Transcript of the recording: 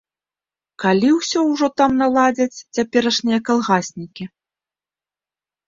Калі ўсё ўжо там наладзяць цяперашнія калгаснікі?